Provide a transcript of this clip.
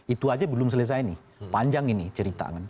itu saja belum selesai ini panjang ini cerita